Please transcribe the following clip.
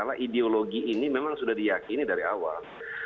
karena apa ideologi ini memang sudah diyakini dari awal